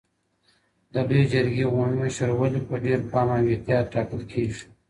د لويي جرګې عمومي مشر ولي په ډېر پام او احتیاط ټاکل کېږي؟